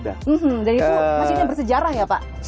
dan itu masih bersejarah ya pak